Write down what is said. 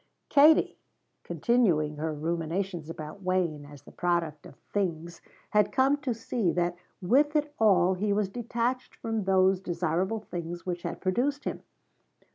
Katie, continuing her ruminations about Wayne as the product of things, had come to see that with it all he was detached from those desirable things which had produced him.